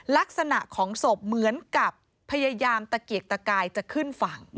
ลักษณะของศพเหมือนกับพยายามตะเกียกตะกายจะขึ้นฝั่ง